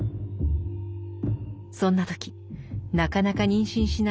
そんな時なかなか妊娠しない